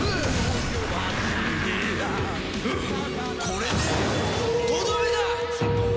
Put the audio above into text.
これでとどめだ！